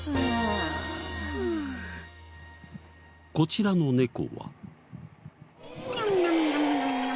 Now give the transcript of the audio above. こちらの猫は。